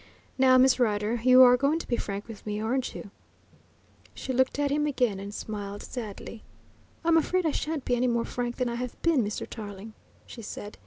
Now, Miss Rider, you're going to be frank with me, aren't you?" She looked at him again and smiled sadly. "I'm afraid I shan't be any more frank than I have been, Mr. Tarling," she said.